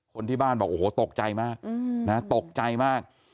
คนที่บ้านบอกโอ้โหตกใจมากนะตกใจมาก